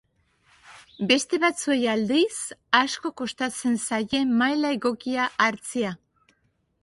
Beste batzuei aldiz, asko kostatzen zaie maila egokia hartzea.